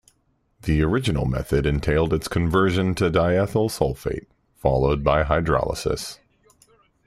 The original method entailed its conversion to diethyl sulfate, followed by hydrolysis.